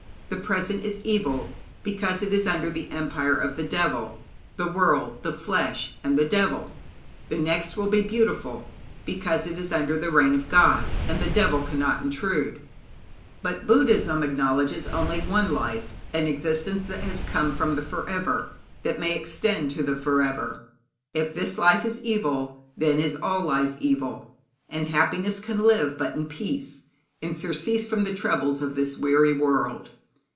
The present is evil, because it is under the empire of the devil the world, the flesh, and the devil. The next will be beautiful, because it is under the reign of God, and the devil cannot intrude. But Buddhism acknowledges only one life an existence that has come from the forever, that may extend to the forever. If this life is evil, then is all life evil, and happiness can live but in peace, in surcease from the troubles of this weary world.